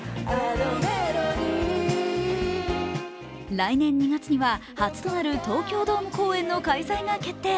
来年２月には初となる東京ドーム公演の開催が決定。